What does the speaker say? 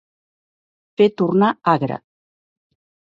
Fer tornar agre.